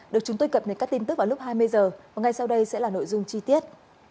được chúng tôi cập nhật các tin tức vào lúc hai mươi h và ngay sau đây sẽ là nội dung chi tiết